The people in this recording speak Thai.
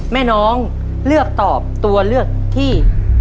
แม่น้องเลือกตอบตัวเลือกที่